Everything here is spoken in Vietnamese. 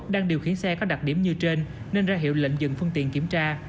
đang điều khiển xe có đặc điểm như trên nên ra hiệu lệnh dừng phương tiện kiểm tra